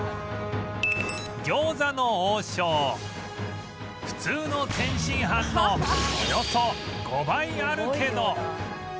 餃子の王将普通の天津飯のおよそ５倍あるけど